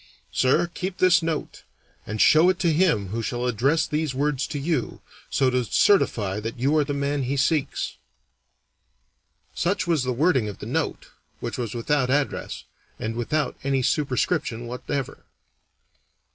Sir, keep this note, and show it to him who shall address these words to you, so to certify that you are the man he seeks. Such was the wording of the note, which was without address, and without any superscription whatever.